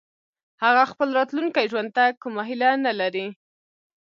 هغه خپل راتلونکي ژوند ته کومه هيله نه لري